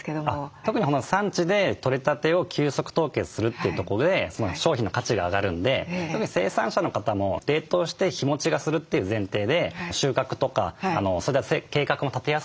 特に産地で取れたてを急速凍結するというとこで商品の価値が上がるんで特に生産者の方も冷凍して日もちがするという前提で収穫とかそういった計画も立てやすいので生産者にとってもありがたいと思いますね。